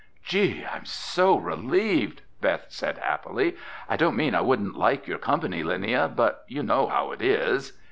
"Gee, I'm so relieved!" Beth said happily. "I don't mean I wouldn't like your company, Linnia, but you know how it is."